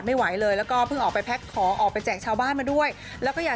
เดี๋ยวโควิดหมดเดี๋ยวก็กลับมาเจอกันเนาะ